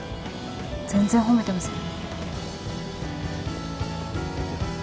全然褒めてません。